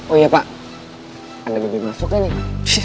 oh iya pak ada bebek masuknya nih